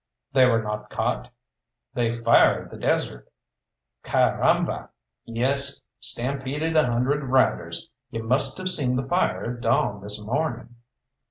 "They were not caught!" "They fired the desert!" "Car r amba!" "Yes, stampeded a hundred riders! You must have seen the fire at dawn this morning."